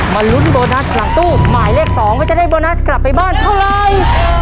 ลุ้นโบนัสหลังตู้หมายเลข๒ว่าจะได้โบนัสกลับไปบ้านเท่าไร